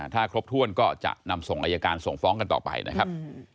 ถ้าครบถ้วนก็จะนำส่งอายการส่งฟ้องกันต่อไปนะครับ